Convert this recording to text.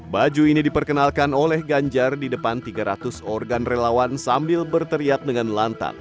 baju ini diperkenalkan oleh ganjar di depan tiga ratus organ relawan sambil berteriak dengan lantang